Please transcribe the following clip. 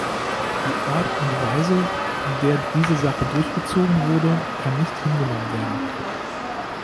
Die Art und Weise, in der diese Sache durchgezogen wurde, kann nicht hingenommen werden.